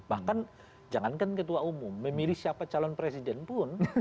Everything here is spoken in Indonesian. bahkan jangankan ketua umum memilih siapa calon presiden pun